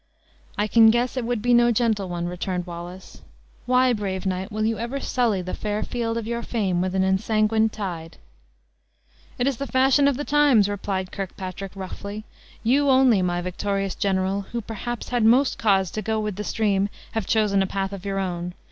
"I can guess it would be no gentle one," returned Wallace. "Why, brave knight, will you ever sully the fair field of your fame with an ensanguined tide?" "It is the fashion of the times," replied Kirkpatrick, roughly, "You only, my victorious general, who, perhaps, had most cause to go with the stream, have chosen a path of your own.